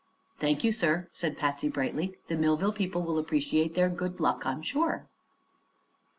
"Thank you, sir," said Patsy, brightly; "the Millville people will appreciate their good luck, I'm sure."